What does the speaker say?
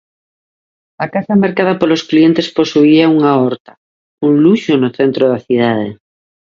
A casa mercada polos clientes posuía unha horta, un luxo no centro da cidade.